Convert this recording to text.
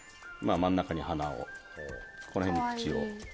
真ん中に鼻この辺に口を。